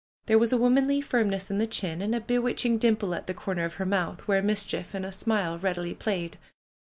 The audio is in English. There was a womanly firm ness in the chin, and a bewitching dimple at the corner of her mouth, where mischief and a smile readily played.